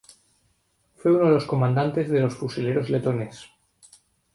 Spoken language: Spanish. Fue uno de los comandantes de los fusileros letones.